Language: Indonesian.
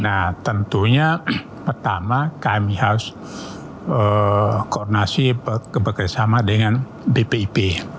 nah tentunya pertama kami harus koordinasi bekerjasama dengan bpip